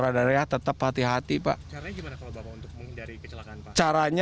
ada agak khawatirnya